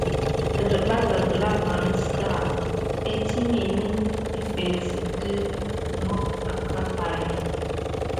Derbaga gla vas ɓa aks itémeni epəŋle si de mok akakay.